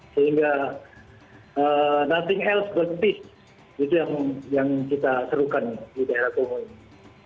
sehingga nothing else gold peace itu yang kita serukan di daerah kongo ini